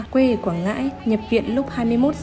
quê ở quảng ngãi nhập viện lúc hai mươi một h một mươi năm